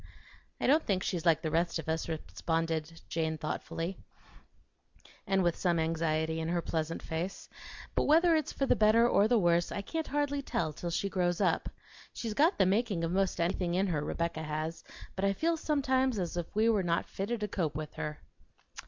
"I don't think she's like the rest of us," responded Jane thoughtfully and with some anxiety in her pleasant face; "but whether it's for the better or the worse I can't hardly tell till she grows up. She's got the making of 'most anything in her, Rebecca has; but I feel sometimes as if we were not fitted to cope with her."